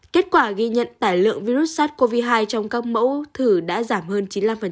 kết quả ghi nhận tải lượng virus sars cov hai trong các mẫu thử đã giảm hơn chín mươi năm